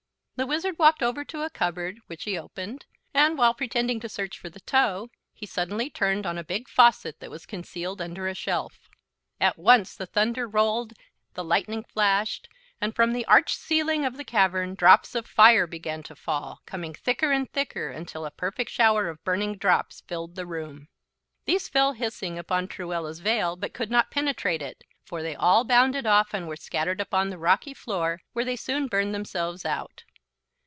The Wizard walked over to a cupboard, which he opened; and, while pretending to search for the toe, he suddenly turned on a big faucet that was concealed under a shelf. At once the thunder rolled, the lightning flashed, and from the arched ceiling of the cavern drops of fire began to fall, coming thicker and thicker until a perfect shower of burning drops filled the room. These fell hissing upon Truella's veil, but could not penetrate it, for they all bounded off and were scattered upon the rocky floor, where they soon burned themselves out.